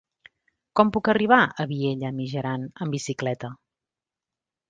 Com puc arribar a Vielha e Mijaran amb bicicleta?